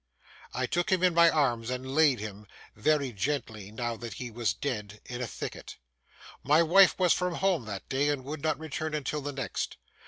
I took him in my arms and laid him—very gently now that he was dead—in a thicket. My wife was from home that day, and would not return until the next.